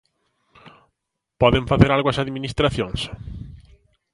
Poden facer algo as administracións?